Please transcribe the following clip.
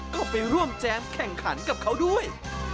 ก็ไปร่วมแจมแข่งขันกับเขาด้วย